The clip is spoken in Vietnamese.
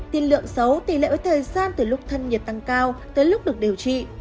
tình lượng xấu tỷ lệ với thời gian từ lúc thân nhiệt tăng cao tới lúc được điều trị